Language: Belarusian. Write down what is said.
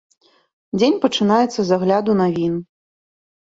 Дзень пачынаецца з агляду навін.